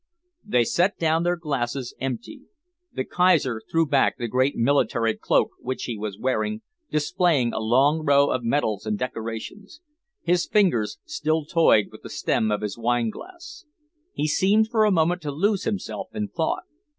They set down their glasses, empty. The Kaiser threw back the grey military cloak which he was wearing, displaying a long row of medals and decorations. His fingers still toyed with the stem of his wineglass. He seemed for a moment to lose himself in thought.